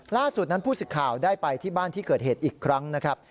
ล่าสุดนั้นผู้สิทธิ์ข่าวได้ไปที่บ้านที่เกิดเหตุอีกครั้งนะครับ